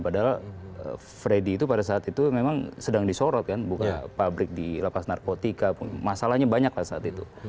padahal freddy itu pada saat itu memang sedang disorot kan buka pabrik di lapas narkotika pun masalahnya banyak lah saat itu